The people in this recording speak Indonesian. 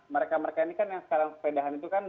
mereka mereka ini kan yang sekarang sepedahan itu kan